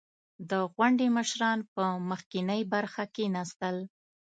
• د غونډې مشران په مخکینۍ برخه کښېناستل.